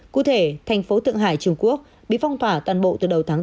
cụ thể thành phố thượng hải trung quốc bị phong tỏa toàn bộ từ đầu tháng bốn